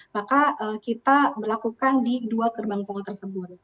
maka kita berlakukan di dua gerbang tol tersebut